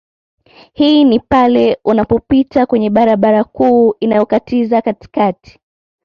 Hii ni pale unapopita kwenye barabara kuu inayokatiza katikati